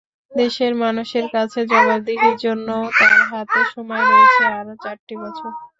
দেশের মানুষের কাছে জবাবদিহির জন্যও তাঁর হাতে সময় রয়েছে আরও চারটি বছর।